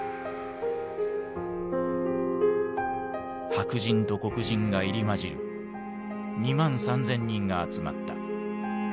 白人と黒人が入り交じる２万３，０００人が集まった。